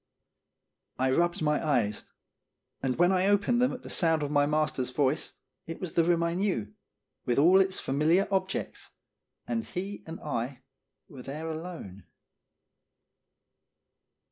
I rubbed my eyes, and when I opened them at the sound of my mas ter's voice, it was the room I knew, with all 2i8 & Groom Statement. its familiar objects, and he and I were there alone.